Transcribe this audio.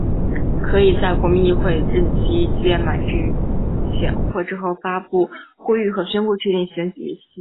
可以在国民议会任期届满之前或之后发布呼吁和宣布确定选举日期。